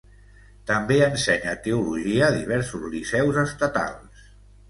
També ensenya teologia a diversos liceus estatals.